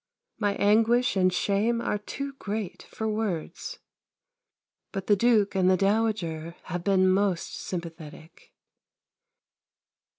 My anguish and shame are too great for words. But the Duke and the Dowager have been most sympathetic.